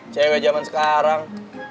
cewek zaman sekarang